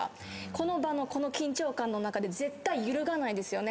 この場のこの緊張感の中で絶対揺るがないんですよね。